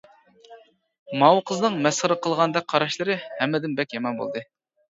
ماۋۇ قىزنىڭ مەسخىرە قىلغاندەك قاراشلىرى ھەممىدىن بەك يامان بولدى.